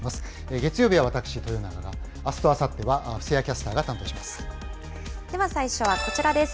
月曜日は私、豊永が、あすとあさっては布施谷キャスターがお伝えでは最初はこちらです。